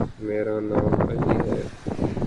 میرا نام علی ہے۔